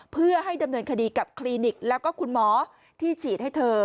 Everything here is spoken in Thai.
เพื่อให้ดำเนินคดีกับคลินิกแล้วก็คุณหมอที่ฉีดให้เธอ